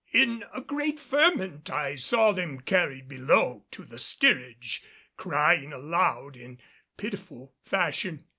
In a great ferment I saw them carried below to the steerage, crying aloud in pitiful fashion.